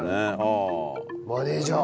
マネージャー。